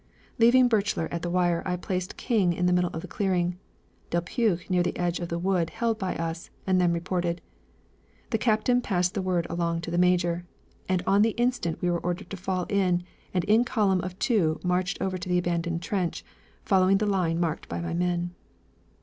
Leaving Birchler at the wire, I placed King in the middle of the clearing, Delpeuch near the edge of the wood held by us, and then reported. The captain passed the word along to the major, and on the instant we were ordered to fall in, and in column of two marched over to the abandoned trench, following the line marked by my men.